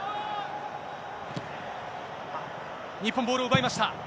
日本、ボールを奪いました。